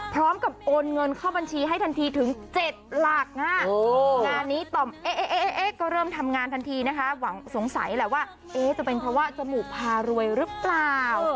โอนเงินเข้าบัญชีให้ทันทีถึง๗หลักงานนี้ต่อมเอ๊ะก็เริ่มทำงานทันทีนะคะหวังสงสัยแหละว่าจะเป็นเพราะว่าจมูกพารวยหรือเปล่า